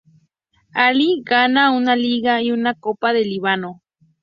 Allí gana una Liga y una Copa del Líbano.